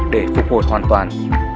để phục hồi hoàn toàn